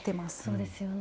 そうですよね。